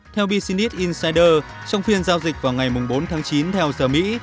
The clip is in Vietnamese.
theo business incyders trong phiên giao dịch vào ngày bốn tháng chín theo giờ mỹ